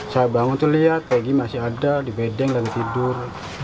saya bangun tuh liat pegi masih ada di bedeng lagi tidur